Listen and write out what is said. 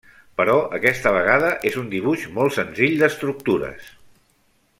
Però, aquesta vegada és un dibuix molt senzill d'estructures.